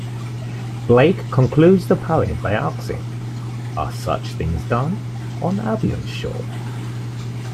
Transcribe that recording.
Blake concludes the poem by asking: "Are such things done on Albion's shore?".